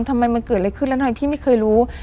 ทำไมมันเกิดอะไรขึ้นแล้วทำไมพี่ไม่เคยรู้